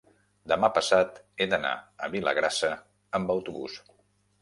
demà passat he d'anar a Vilagrassa amb autobús.